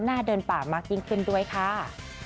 เดินป่ามากยิ่งขึ้นด้วยค่ะ